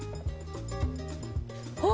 あ！